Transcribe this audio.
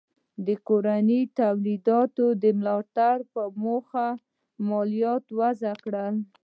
د کورنیو تولیداتو د ملاتړ په موخه مالیات وضع کړي.